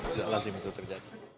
tidak lazim itu terjadi